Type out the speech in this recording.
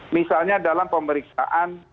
misalnya dalam pemeriksaan